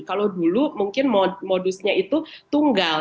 kalau dulu mungkin modusnya itu tunggal